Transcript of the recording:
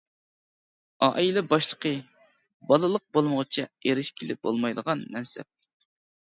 ئائىلە باشلىقى : بالىلىق بولمىغۇچە ئېرىشكىلى بولمايدىغان مەنسەپ.